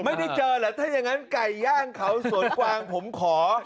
ไม่ได้เจอเหรอถ้าอย่างนั้นไก่ย่างเขาสวนกวางผมขอ